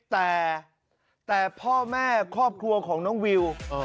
แต่พ่อแม่ครอบครัวของน้องวิว